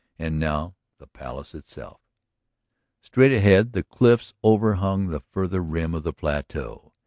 And now the Palace itself." Straight ahead the cliffs overhung the farther rim of the plateau.